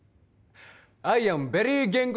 アイアムベリー言語